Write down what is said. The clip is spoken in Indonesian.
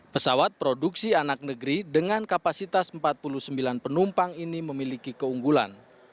pesawat produksi anak negeri dengan kapasitas empat puluh sembilan penumpang ini memiliki keunggulan